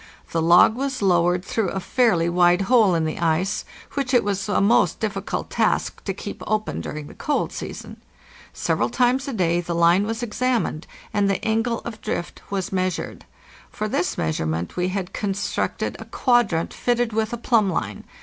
The log was lowered through a fairly wide hole in the ice, which it was a most difficult task to keep open during the cold season. Several times a day the line was examined and the ''angle of drift'? was measured. For this measurement we had constructed a quadrant fitted with a plumb line.